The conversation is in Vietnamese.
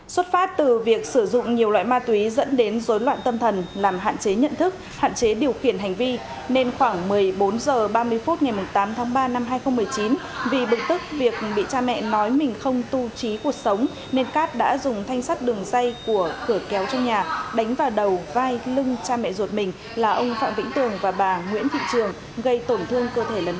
xuất phát từ việc sử dụng nhiều loại ma túy dẫn đến rối loạn tâm thần làm hạn chế nhận thức hạn chế điều khiển hành vi nên khoảng một mươi bốn h ba mươi phút ngày một mươi tám tháng ba năm hai nghìn một mươi chín vì bực tức việc bị cha mẹ nói mình không tu trí cuộc sống nên cát đã dùng thanh sắt đường dây của cửa kéo trong nhà đánh vào đầu vai lưng cha mẹ ruột mình là ông phạm vĩnh tường và bà nguyễn thị trường gây tổn thương cơ thể lần đầu